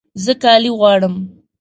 زه کالي غواړم